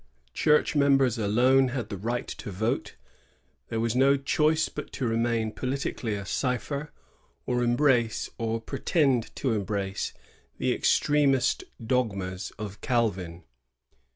Church members alone had the right to vote. There was no choice but to remain politically a cipher, or embrace, or pretend to embrace, the extremest dogmas of Calvin.